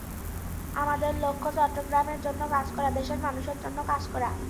আমাদের লক্ষ্য চট্টগ্রামের জন্য কাজ করা, দেশের মানুষের জন্য কাজ করা।